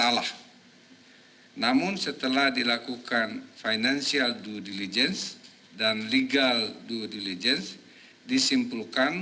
salah namun setelah dilakukan financial due diligence dan legal due diligence disimpulkan